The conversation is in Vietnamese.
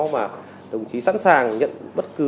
và đồng chí sẵn sàng nhận bất cứ